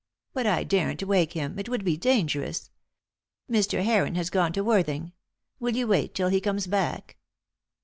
But I daren't wake him, it would be dangerous. Mr. Heron has gone to Worthing. Will you wait till he comes back?"